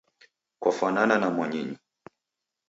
Kwafanana na mwanyinyu